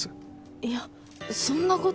いやそんなこと